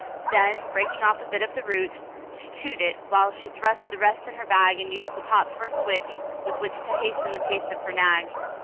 Then, breaking off a bit of the root, she chewed it, while she thrust the rest in her bag and used the top for a switch with which to hasten the pace of her nag.